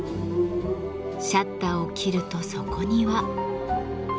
シャッターを切るとそこには。